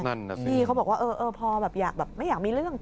นั่นแบบนี้นี่เขาบอกว่าเออพอแบบอยากไม่อยากมีเรื่องต่อ